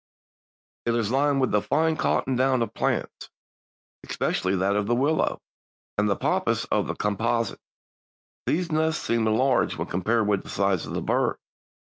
It is lined with the fine cotton down of plants, especially that of the willow, and the pappus of the Compositae. These nests seem large when compared with the size of the bird.